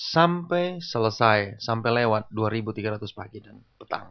sampai selesai sampai lewat dua ribu tiga ratus petang dan pagi